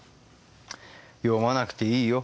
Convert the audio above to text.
読まなくていいよ。